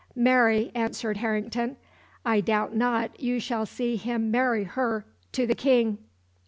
"Marry," answered Harrington, "I doubt not you shall see him marry her to the King."